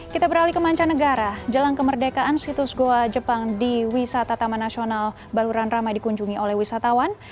kita beralih ke mancanegara jalan kemerdekaan situs goa jepang di wisata taman nasional baluran ramai dikunjungi oleh wisatawan